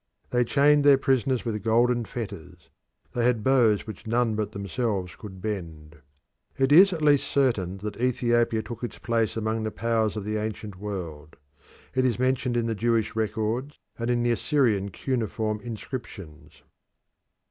They chained their prisoners with golden fetters; they had bows which none but themselves could bend. It is at least certain that Ethiopia took its place among the powers of the ancient world. It is mentioned in the Jewish records and in the Assyrian cuneiform inscriptions.